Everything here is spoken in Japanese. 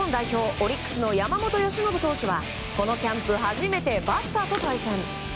オリックスの山本由伸投手はこのキャンプ初めてバッターと対戦。